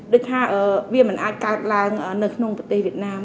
được ra nó không thể càng nâng lên ở việt nam